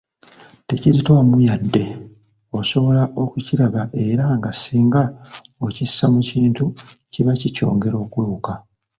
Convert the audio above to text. "Tekizitowamu yadde, osobola okukiraba era nga singa okissa mu kintu kiba kikyongera okuwewuka."